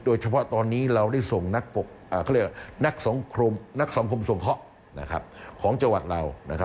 โดยเฉพาะตอนนี้เราได้ส่งนักสมคมส่งของจังหวัดเรา